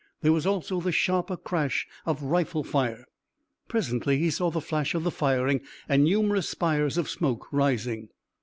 There was also the sharper crash of rifle fire. Presently he saw the flash of the firing and numerous spires of smoke rising.